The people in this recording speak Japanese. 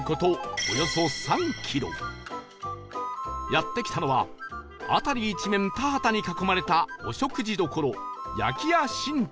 やって来たのは辺り一面田畑に囲まれたお食事処